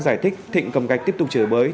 giải thích thịnh cầm gạch tiếp tục chửi bới